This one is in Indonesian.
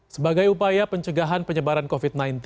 sebagai upaya pencegahan penyebaran covid sembilan belas